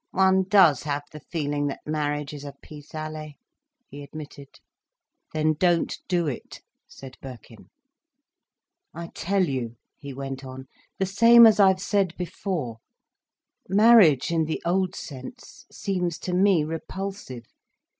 "One does have the feeling that marriage is a pis aller," he admitted. "Then don't do it," said Birkin. "I tell you," he went on, "the same as I've said before, marriage in the old sense seems to me repulsive.